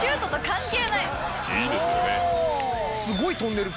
いいですね。